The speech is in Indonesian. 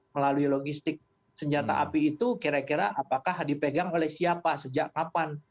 melalui logistik senjata api itu kira kira apakah dipegang oleh siapa sejak kapan